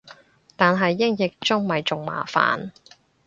但係英譯中咪仲麻煩